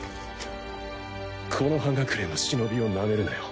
木ノ葉隠れの忍をなめるなよ。